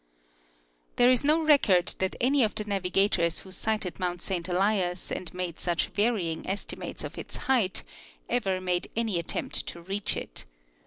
There is no record that any of the navigators who sighted mount Saint Elias and made such varying estimates of its height ever made any attempt to reach it.